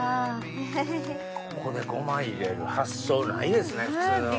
ここでごま入れる発想ないですね普通。